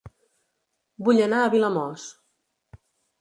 Vull anar a Vilamòs